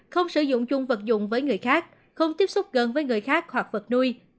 không sử dụng chung vật dụng với người khác không tiếp xúc gần với người khác hoặc vật nuôi